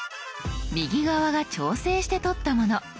右側が調整して撮ったもの。